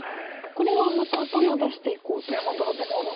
これはまた頭出していこうとしてるんですか？